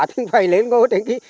thì phải lên ngôi